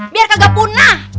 biar kagak punah